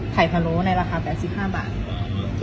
พะโล้ในราคา๘๕บาท